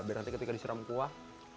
biar nanti ketika disiram kuah